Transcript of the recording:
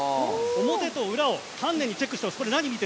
表と裏をチェックしてますね。